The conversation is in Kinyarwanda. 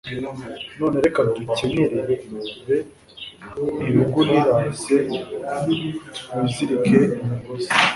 none reka dukenyere b ibigunira c twizirike imigozi